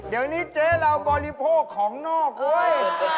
เดี๋ยวนี้เจ๊เราบริโภคของนอกเว้ย